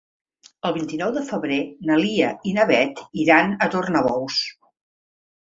El vint-i-nou de febrer na Lia i na Beth iran a Tornabous.